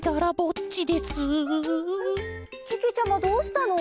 けけちゃまどうしたの？